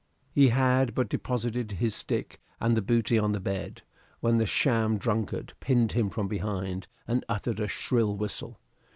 He had but deposited his stick and the booty on the bed, when the sham drunkard pinned him from behind, and uttered a shrill whistle.